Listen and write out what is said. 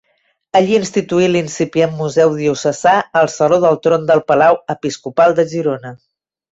Allí instituí l'incipient Museu Diocesà al Saló del Tron del Palau Episcopal de Girona.